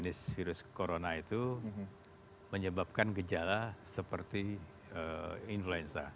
jenis virus corona itu menyebabkan gejala seperti influenza